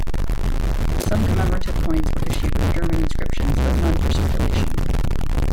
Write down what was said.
Some commemorative coins were issued with German inscriptions but none for circulation.